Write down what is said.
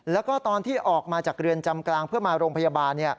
แล้วก็ตอนที่ออกมาจากเรือนจำกลางเพื่อมาโรงพยาบาล